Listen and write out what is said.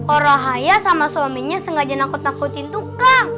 orang rohayeh sama suaminya sengaja nakut nakutin tukang